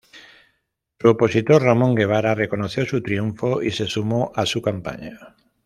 Su opositor, Ramón Guevara reconoció su triunfo y se sumó a su campaña.